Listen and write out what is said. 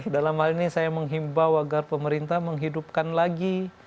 dalam hal ini saya menghimbau agar pemerintah menghidupkan lagi